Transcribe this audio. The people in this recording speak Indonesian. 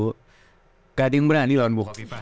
gak ada yang berani melawan ibu